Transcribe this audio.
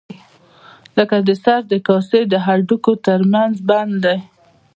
لکه د سر د کاسې د هډوکو تر منځ بند دی.